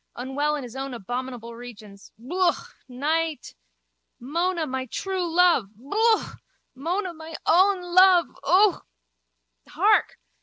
Unwell in his abominable regions. Yooka. Night. Mona, my true love. Yook. Mona, my own love. Ook. Hark!